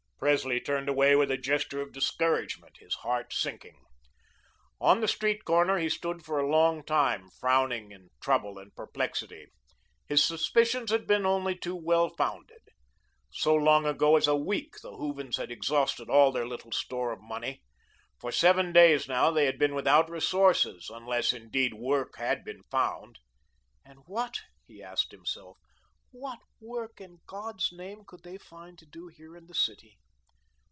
Presley turned away with a gesture of discouragement, his heart sinking. On the street corner he stood for a long time, frowning in trouble and perplexity. His suspicions had been only too well founded. So long ago as a week, the Hoovens had exhausted all their little store of money. For seven days now they had been without resources, unless, indeed, work had been found; "and what," he asked himself, "what work in God's name could they find to do here in the city?"